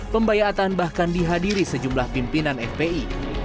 pembayatan bahkan dihadiri sejumlah pimpinan fpi